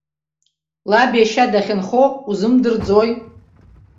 Лаб иашьа дахьынхо узымдырӡои?